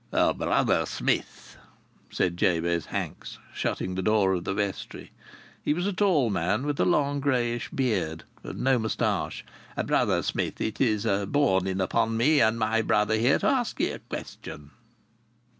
"Brother Smith," said Jabez Hanks, shutting the door of the vestry. He was a tall man with a long, greyish beard and no moustache. "Brother Smith, it is borne in upon me and my brother here to ask ye a question."